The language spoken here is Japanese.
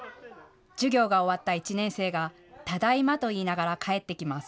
授業が終わった１年生がただいまと言いながら帰ってきます。